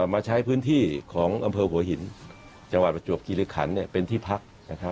มาใช้พื้นที่ของอำเภอหัวหินจังหวัดประจวบคิริขันเป็นที่พัก